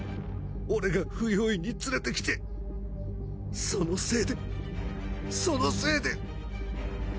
俺が不用意に連れてきてそのせいでそのせいで